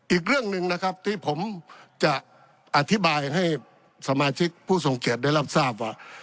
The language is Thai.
อีกเรื่องหนึ่งนะครับที่ผมจะอธิบายให้สมาชิกผู้ทรงเกียจได้รับทราบว่า